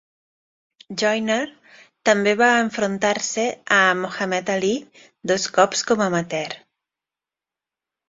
Joiner també va enfrontar-se a Muhammad Ali dos cops com amateur.